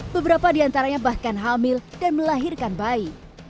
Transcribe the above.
beberapa diantaranya bahkan hamil dan melahirkan bayi